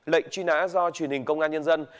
lệnh truy nã do truyền hình công an nhân dân